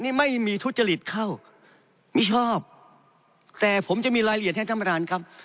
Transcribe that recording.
นี่ไม่มีทุจริตเข้ามิชอบแต่ผมจะมีรายละเอียดให้ท่านประธานครับ